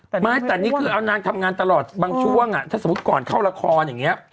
ไม่แต่นี่คือเอานางทำงานตลอดบางช่วงอ่ะถ้าสมมุติก่อนเข้าละครอย่างนี้